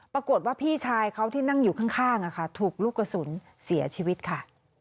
ปรากฏว่าพี่ชายเขาที่นั่งอยู่ข้างถูกลูกกระสุนเสียชีวิตค่ะ